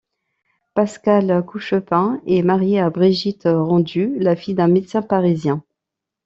Pascal Couchepin est marié à Brigitte Rendu, la fille d'un médecin parisien.